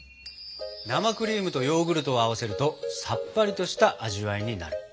生クリームとヨーグルトを合わせるとさっぱりとした味わいになる。